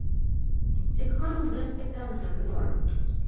سیکهانو مرستې ته منتظر ول.